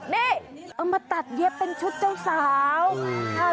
นี่เอามาตัดเย็บเป็นชุดเจ้าสาว